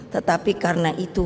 tetapi karena itu